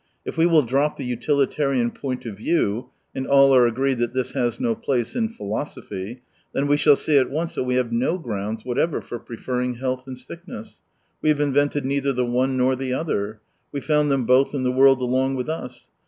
If we will drop the utilitarian point of view — and all are agreed that this has no place in philosophy — then we shall see at once that we have no grounds whatever for preferring health and sickness. We have invented neither the one nor the other. We found them both in the world along with us.